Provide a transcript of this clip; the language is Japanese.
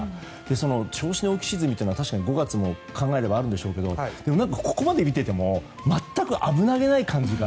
その調子の浮き沈みというのは５月もあるんでしょうけどもでも、ここまで見ていても全く危なげない感じが。